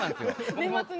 年末に。